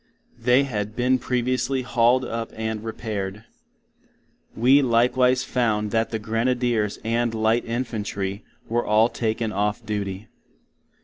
(They had been previously hauld up and repaired). We likewise found that the Grenadiers and light Infantry were all taken off duty.